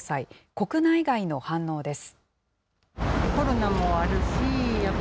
国内外の反応です。